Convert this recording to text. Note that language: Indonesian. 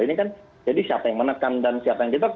ini kan jadi siapa yang menekan dan siapa yang kita